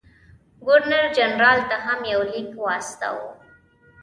ګورنر جنرال ته هم یو لیک واستاوه.